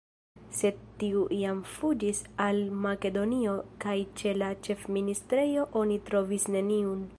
Sed tiu jam fuĝis al Makedonio kaj ĉe la ĉefministrejo oni trovis neniun.